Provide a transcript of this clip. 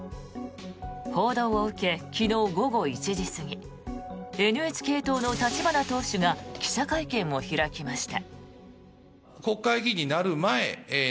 報道を受け、昨日午後１時過ぎＮＨＫ党の立花党首が記者会見を開きました。